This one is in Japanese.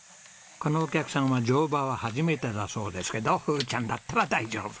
このお客さんは乗馬は初めてだそうですけどふーちゃんだったら大丈夫！